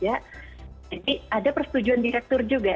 jadi ada persetujuan direktur juga